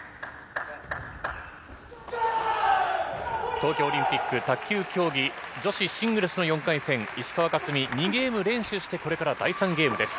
東京オリンピック、卓球競技、女子シングルスの４回戦、石川佳純、２ゲーム連取して、これから第３ゲームです。